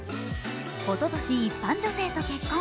おととし、一般女性と結婚。